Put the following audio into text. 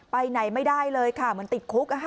ไปไหนไม่ได้เลยค่ะเหมือนติดคุก